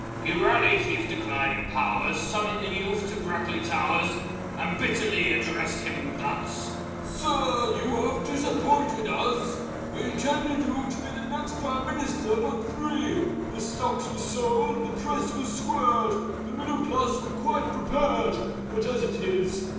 He rallied his declining powers, Summoned the youth to Brackley Towers, And bitterly addressed him thus "Sir! you have disappointed us! We had intended you to be The next Prime Minister but three: The stocks were sold; the Press was squared: The Middle Class was quite prepared. But as it is!...